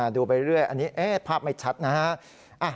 ดูไปเรื่อยอันนี้ภาพไม่ชัดนะฮะ